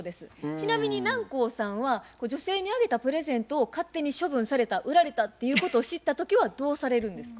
ちなみに南光さんは女性にあげたプレゼントを勝手に処分された売られたっていうことを知った時はどうされるんですか？